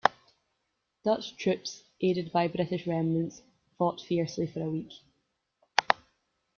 Dutch troops, aided by British remnants, fought fiercely for a week.